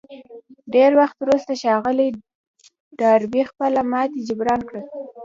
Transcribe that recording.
ډېر وخت وروسته ښاغلي ډاربي خپله ماتې جبران کړه.